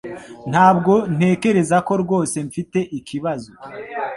Ntabwo ntekereza ko rwose mfite ikibazo.